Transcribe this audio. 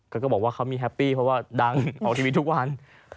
ก็บอกว่าเขามีแฮปปี้เพราะว่าดังออกทีวีทุกวัน